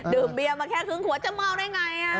ดื่มเบียนมาแค่ครึ่งขวดจะเมาได้ไง